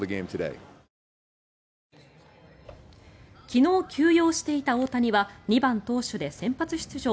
昨日休養していた大谷は２番投手で先発出場。